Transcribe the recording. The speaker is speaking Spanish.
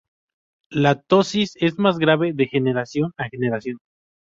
La ptosis es más grave de generación a generación.